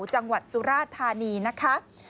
จังหวัดสุราธานีนะคะ